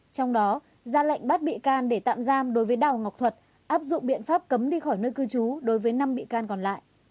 trong đó ra lệnh bắt bị can để tạm giam đối với đào ngọc thuật áp dụng biện pháp cấm đi khỏi nơi cư trú đối với năm bị can còn lại